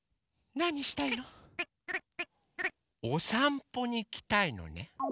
おさんぽにいきたいのね。